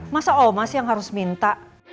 masa oma sih yang harus minta